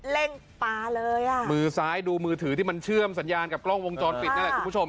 เร่งปลาเลยอ่ะมือซ้ายดูมือถือที่มันเชื่อมสัญญาณกับกล้องวงจรปิดนั่นแหละคุณผู้ชม